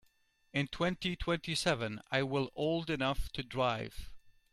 In twenty-twenty-seven I will old enough to drive.